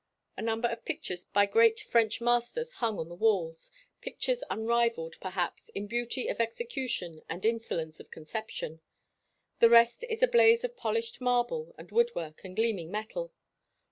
A number of pictures by great French masters hang on the walls pictures unrivalled, perhaps, in beauty of execution and insolence of conception. The rest is a blaze of polished marble and woodwork and gleaming metal.